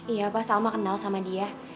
iya pak salma kenal sama dia